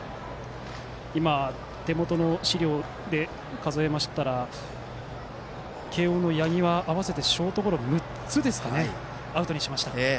今手元の資料で数えましたら慶応の八木は、合わせてショートゴロ６つをアウトにしました。